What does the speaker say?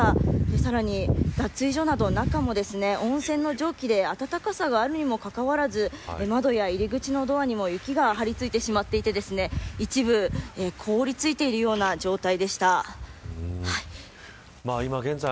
さらに脱衣所など中も、温泉の蒸気で暖かさがあるにもかかわらず窓や入り口のドアにも雪が張り付いてしまっていて一部、凍りついているような状態でした。